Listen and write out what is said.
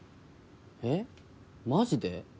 えっマジで？